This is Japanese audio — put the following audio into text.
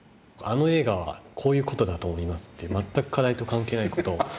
あの映画はこういう事だと思いますって全く課題と関係ない事を。